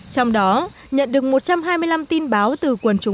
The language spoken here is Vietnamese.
trong đó nhận được một trăm hai mươi năm tin báo từ quần chúng